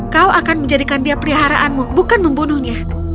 kau akan menjadikan dia peliharaanmu bukan membunuhnya